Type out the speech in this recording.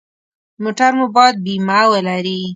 موټر مو باید بیمه ولري.